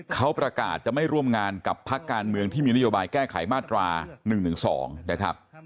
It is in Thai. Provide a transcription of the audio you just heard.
เขาประกาศจะไม่ร่วมงานกับพักการเมืองที่มีนโยบายแก้ไขมาตรา๑๑๒นะครับ